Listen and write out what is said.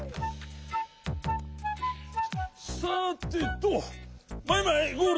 さてとマイマイゴールド